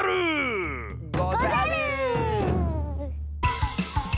ござる！